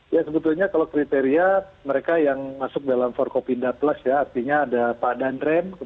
ya sebetulnya kalau kriteria mereka yang masuk dalam forkopinda plus ya artinya ada pak dandren